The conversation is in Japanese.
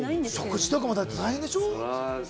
食事とか大変でしょ？